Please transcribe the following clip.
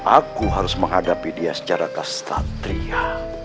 aku harus menghadapi dia secara kasatria